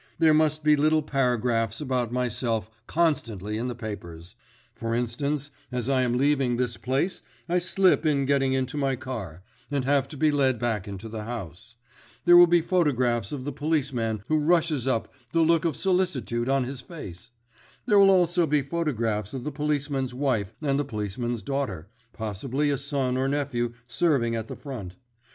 There must be little paragraphs about myself constantly in the papers. For instance, as I am leaving this place I slip in getting into my car, and have to be led back into the house. There will be photographs of the policeman who rushes up, the look of solicitude on his face. There will also be photographs of the policeman's wife and the policeman's daughter—possibly a son or nephew serving at the front.